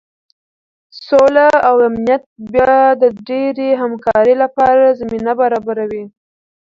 سوله او امنیت بیا د ډیرې همکارۍ لپاره زمینه برابروي.